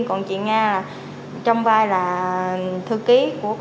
còn chị nga trong vai là thư ký